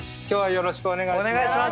よろしくお願いします。